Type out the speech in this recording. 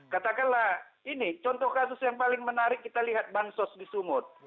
katakanlah ini contoh kasus yang paling menarik kita lihat bansos di sumut